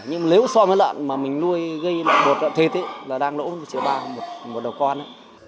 nhưng nếu so với lợn mà mình nuôi gây lợn bột lợn thịt thì đang lỗ một triệu ba một đầu con